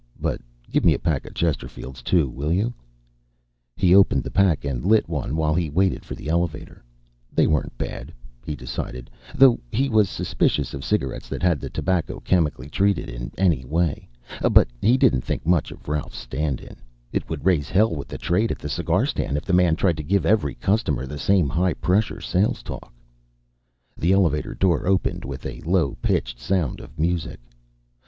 But give me a pack of Chesterfields, too, will you?" He opened the pack and lit one while he waited for the elevator. They weren't bad, he decided, though he was suspicious of cigarettes that had the tobacco chemically treated in any way. But he didn't think much of Ralph's stand in; it would raise hell with the trade at the cigar stand if the man tried to give every customer the same high pressure sales talk. The elevator door opened with a low pitched sound of music.